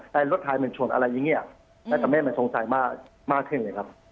แต่รถไถมันชนอะไรอย่างนี้นาธาร์เมฆมันสงสัยมากขึ้นเลยครับ